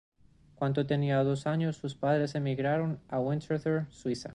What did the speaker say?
Cuando tenía dos años sus padres emigraron a Winterthur, Suiza.